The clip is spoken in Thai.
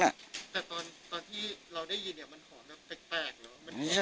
แต่ตอนที่เราได้ยินมันหอนแปลกหรือ